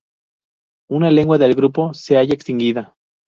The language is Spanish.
Una lengua del grupo se halla extinguida.